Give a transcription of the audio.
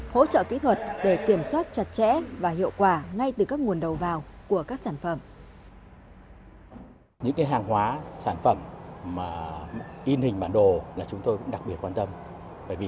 hỗ trợ kỹ thuật để kiểm soát chặt chẽ và hiệu quả ngay từ các nguồn đầu vào của các sản phẩm